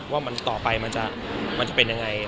ว่าต่อไปมันจะเป็นยังไง